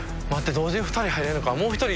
同時２人入れるか。